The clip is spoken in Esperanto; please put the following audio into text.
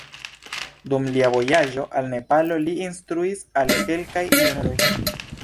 Dum lia vojaĝo al Nepalo, li instruis al kelkaj junuloj.